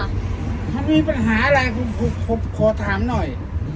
ถ้ามีปัญหาอะไรคุณขอถามหน่อย